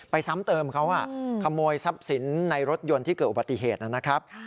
ซ้ำเติมเขาขโมยทรัพย์สินในรถยนต์ที่เกิดอุบัติเหตุนะครับ